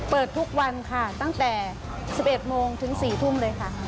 เปิดทุกวันค่ะตั้งแต่๑๑โมงถึง๔ทุ่มเลยค่ะ